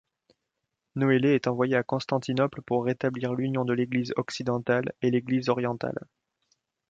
Noellet est envoyé à Constantinople pour rétablir l'union de l'Église occidentale et l'Église orientale.